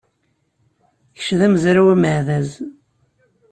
Kečč d amezraw ameɛdaz.